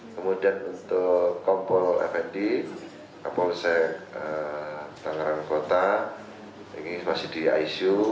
kemudian untuk kompol fnd kapolsek tangerang kota ini masih di icu